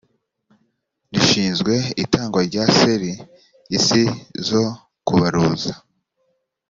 rishinzwe itangwa rya ser isi zo kubaruza